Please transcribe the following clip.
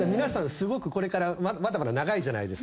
すごくこれから長いじゃないですか。